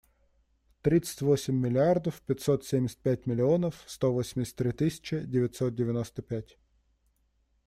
Тридцать восемь миллиардов пятьсот семьдесят пять миллионов сто восемьдесят три тысячи девятьсот девяносто пять.